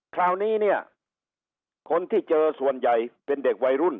คราวนี้เนี่ยคนที่เจอส่วนใหญ่เป็นเด็กวัยรุ่น